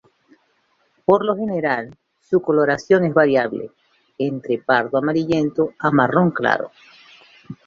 Por lo general su coloración es variable, entre pardo amarillento a marrón claro.